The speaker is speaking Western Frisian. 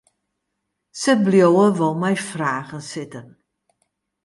Se bliuwe wol mei fragen sitten.